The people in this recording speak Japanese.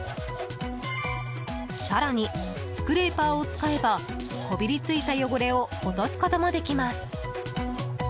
更に、スクレーパーを使えばこびりついた汚れを落とすこともできます。